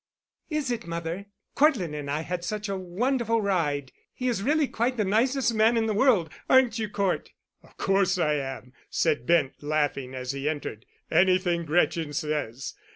"Is it, mother? Cortland and I had such a wonderful ride. He is really quite the nicest man in the world. Aren't you, Cort?" "Of course I am," said Bent, laughing, as he entered, "anything Gretchen says.